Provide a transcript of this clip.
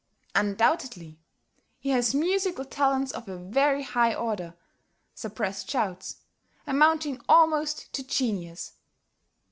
"Undoubtedly. He has musical talents of a very high order [suppressed shouts] amounting almost to genius!"